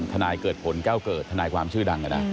นายเกิดผลแก้วเกิดทนายความชื่อดัง